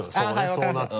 そうなって。